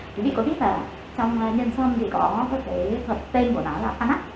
chúng tôi có biết là trong nhân xăm thì có cái thật tên của nó là anak